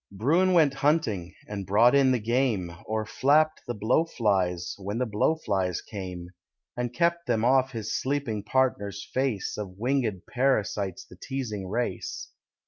Bruin went hunting, and brought in the game, Or flapped the blow flies, when the blow flies came; And kept from off his sleeping partner's face Of winged parasites the teasing race.